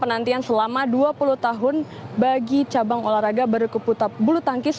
penantian selama dua puluh tahun bagi cabang olahraga berkeputap bulu tangkis